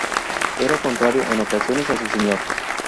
Era contrario en ocasiones a su señor.